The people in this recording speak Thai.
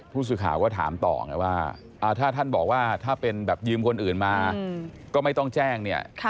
ผู้สื่อข่าวก็ถามต่อไงว่าถ้าท่านบอกว่าถ้าเป็นแบบยืมคนอื่นมาก็ไม่ต้องแจ้งเนี่ย